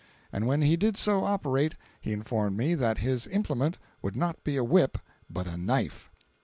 And when he did so operate, he informed me that his implement would not be a whip but a knife.